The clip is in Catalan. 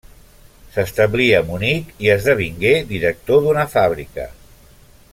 S'establí a Munic i esdevingué director d'una fàbrica.